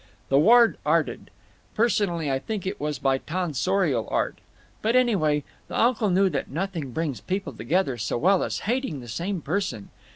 The ward arted. Personally I think it was by tonsorial art. But, anyway, the uncle knew that nothing brings people together so well as hating the same person.